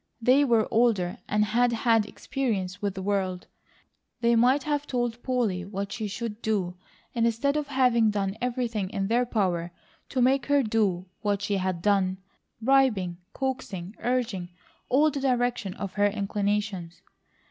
They were older and had had experience with the world; they might have told Polly what she should do instead of having done everything in their power to make her do what she had done, bribing, coaxing, urging, all in the direction of her inclinations.